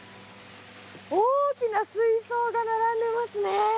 大きな水槽が並んでますね。